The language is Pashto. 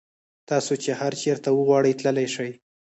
تاسو چې هر چېرته وغواړئ تللی شئ.